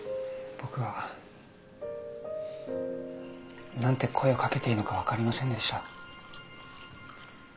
僕は何て声を掛けていいのか分かりませんでした。